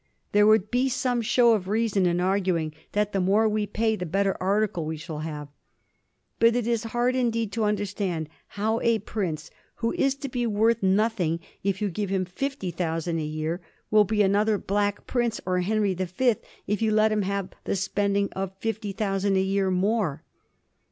There would be some show of reason in arguing that the more we pay the better article we shall have. But it is hard indeed to underatand how a prince who is to be worth nothing if you give him only fifty thousand a year, will be another Black Prince or Henry the Fifth if you let him have the spending of fifty thousand a year more.